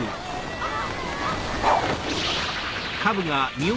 あっ！